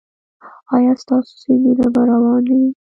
ایا ستاسو سیندونه به روان نه وي؟